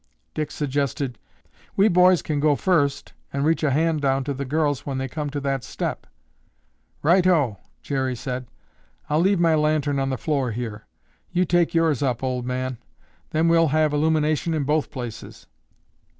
Dick suggested, "We boys can go up first and reach a hand down to the girls when they come to that step." "Righto," Jerry said. "I'll leave my lantern on the floor here. You take yours up, old man. Then we'll have illumination in both places."